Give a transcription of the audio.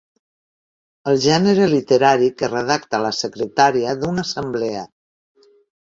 El gènere literari que redacta la secretària d'una assemblea.